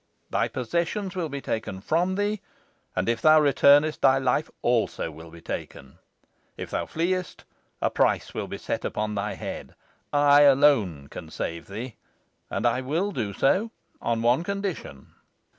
Thy possessions will be taken from thee, and if thou returnest thy life also will be taken. If thou fleest, a price will be set upon thy head. I alone can save thee, and I will do so on one condition."